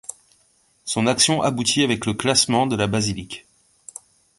Son action aboutit avec le classement de la basilique.